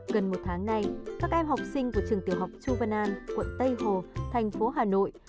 gần một tháng nay các em học sinh của trường tiểu học chu văn an quận tây hồ thành phố hà nội